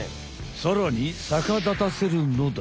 さらにさかだたせるのだ！